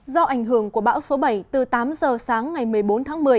do ảnh hưởng của bão số bảy từ tám giờ sáng ngày một mươi bốn tháng một mươi